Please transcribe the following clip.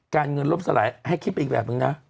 เงินลบสลายให้คิดไปอีกแบบนึงนะ